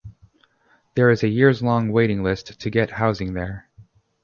There is a years-long waiting list to get housing there.